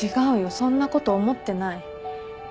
そんなこと思ってない。